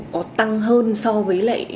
có tăng hơn so với lại